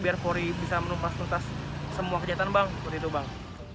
biar pori bisa menumpas tuntas semua kejahatan bank